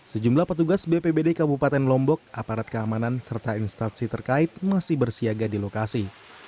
sejumlah petugas bpbd kabupaten lombok aparat keamanan serta instansi terkait masih bersiaga di lokasi